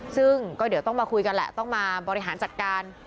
ซึ่งก็เดี๋ยวต้องมาคุยกันแหละต้องมาบริหารจัดการ